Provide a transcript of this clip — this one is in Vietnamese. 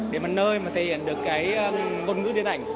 để mà nơi mà thể hiện được cái ngôn ngữ điện ảnh